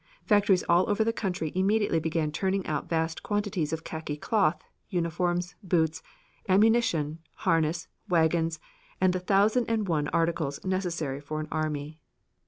Factories all over the country immediately began turning out vast quantities of khaki cloth, uniforms, boots, ammunition, harness, wagons, and the thousand and one articles necessary for an army.